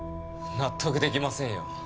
納得できませんよ。